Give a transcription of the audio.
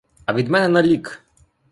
А від мене на лік!